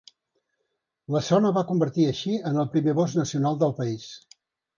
La zona va convertir així en el primer bosc nacional del país.